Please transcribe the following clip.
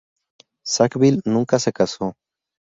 Sackville nunca se casó.